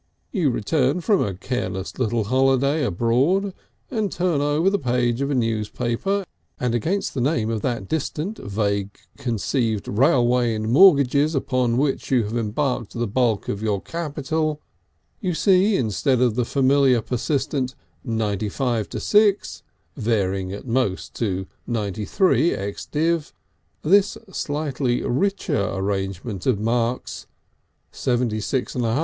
You return from a little careless holiday abroad, and turn over the page of a newspaper, and against the name of that distant, vague conceived railway in mortgages upon which you have embarked the bulk of your capital, you see instead of the familiar, persistent 95 6 (varying at most to 93 ex. div.) this slightly richer arrangement of marks: 76 1/2 78 1/2.